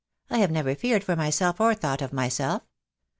"I have never feared for myself or thought of myself.